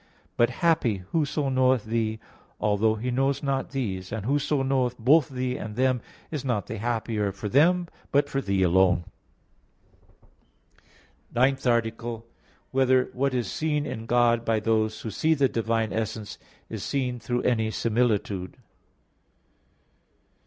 but happy whoso knoweth Thee although he know not these. And whoso knoweth both Thee and them is not the happier for them, but for Thee alone." _______________________ NINTH ARTICLE [I, Q. 12, Art. 9] Whether What Is Seen in God by Those Who See the Divine Essence, Is Seen Through Any Similitude?